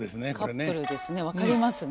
カップルですね分かりますね。